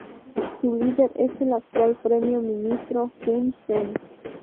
Su líder es el actual Primer ministro, Hun Sen.